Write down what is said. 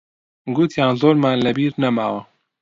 گوتیان زۆرمان لەبیر نەماوە.